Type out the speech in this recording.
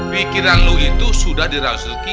pikiran lo itu sudah dirazuki